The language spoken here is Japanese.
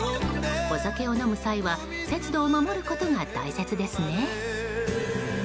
お酒を飲む際は節度を守ることが大切ですね。